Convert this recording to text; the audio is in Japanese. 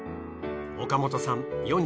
岡本さん